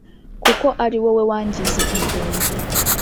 Kuko ari wowe wangize ingenzi